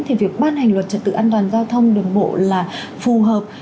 thì việc ban hành luật trật tự an toàn giao thông đường bộ là phù hợp